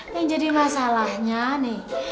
yang jadi masalahnya nih